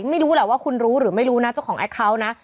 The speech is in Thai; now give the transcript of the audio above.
ไม่รู้แหละว่าคุณรู้หรือไม่รู้นะเจ้าของแอคเคาน์นะ